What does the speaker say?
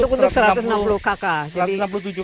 untuk satu ratus enam puluh kakak